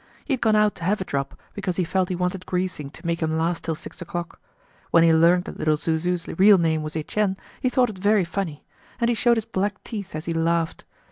He had gone out to have a drop, because he felt he wanted greasing to make him last till six o'clock. When he learnt that Little Zouzou's real name was Etienne, he thought it very funny; and he showed his black teeth as he laughed.